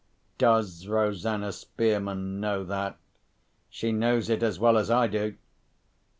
"Does Rosanna Spearman know that?" "She knows it as well as I do."